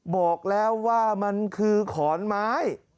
บอกแล้วว่ามันคือขอนไม้